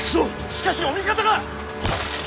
しかしお味方が！